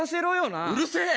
うるせえ！